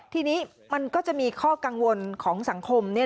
ทีนี้มันก็จะมีข้อกังวลของสังคม